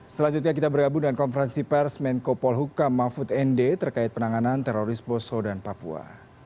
selanjutnya kita bergabung dengan konferensi persmen kopolhuka mahfud nd terkait penanganan teroris bosho dan papua